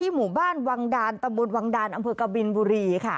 หมู่บ้านวังดานตำบลวังดานอำเภอกบินบุรีค่ะ